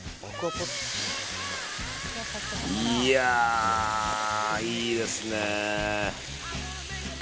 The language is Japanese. いやー、いいですね。